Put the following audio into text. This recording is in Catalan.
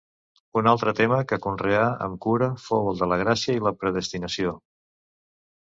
Un altre tema que conreà amb cura fou el de la gràcia i la predestinació.